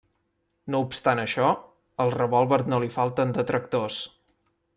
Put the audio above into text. No obstant això, al revòlver no li falten detractors.